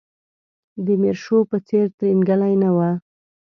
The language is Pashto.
د میرشو په څېر ترینګلی نه و.